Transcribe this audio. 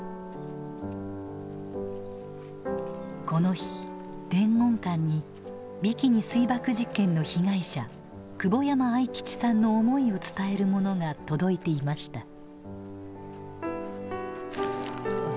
この日伝言館にビキニ水爆実験の被害者久保山愛吉さんの思いを伝えるものが届いていました。